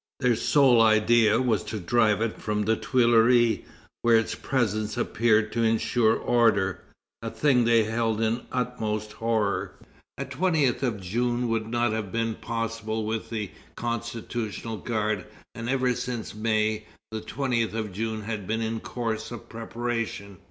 Their sole idea was to drive it from the Tuileries, where its presence appeared to insure order, a thing they held in utmost horror. A 20th of June would not have been possible with a constitutional guard, and ever since May, the 20th of June had been in course of preparation.